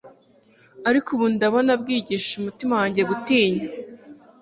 ariko ubu ndabona bwigisha Umutima wanjye gutinya